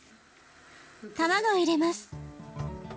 卵を入れます。